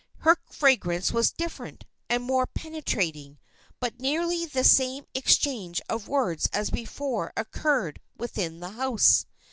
Her fragrance was different and more penetrating; but nearly the same exchange of words as before occurred within the house.